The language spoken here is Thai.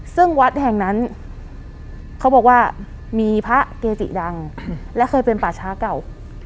ซึ่งวัดแห่งนั้นเขาบอกว่ามีพระเกจิดังและเคยเป็นป่าช้าเก่า